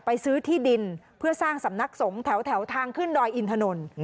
ซื้อที่ดินเพื่อสร้างสำนักสงฆ์แถวทางขึ้นดอยอินถนน